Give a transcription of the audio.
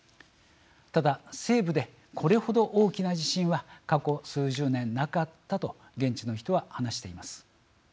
ただ、西部でこれほど大きな地震は過去数十年なかったと現地の人は話しています。